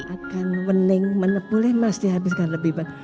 akan wening menep boleh mas dihabiskan lebih banyak